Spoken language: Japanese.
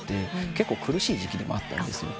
結構苦しい時期でもあったんですね。